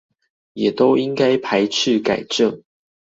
也都應該排斥改正